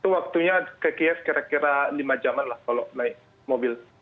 waktunya ke kiev kira kira lima jaman lah kalau naik mobil